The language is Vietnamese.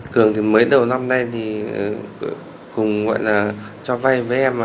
cường thì mới đầu năm nay thì cùng gọi là cho vai